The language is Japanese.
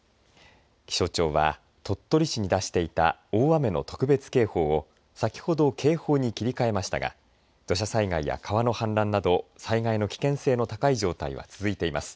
気象庁は鳥取市に出していた大雨の特別警報を先ほど警報に切り替えましたが土砂災害や川の氾濫など災害の危険性の高い状態が続いています。